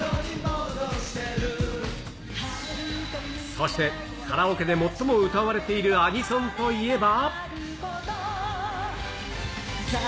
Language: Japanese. そして、カラオケで最も歌われているアニソンといえば。